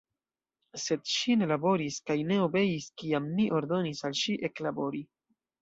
Sed ŝi ne laboris kaj ne obeis, kiam mi ordonis al ŝi eklabori.